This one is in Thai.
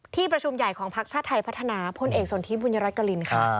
ที่ประชุมใหญ่ของพักชาติไทยพัฒนาพลเอกสนทิพบุญรัฐกรินค่ะ